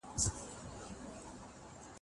د ماسخوتن لمونځ وکړئ.